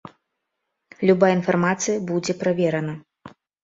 Любая інфармацыя будзе праверана.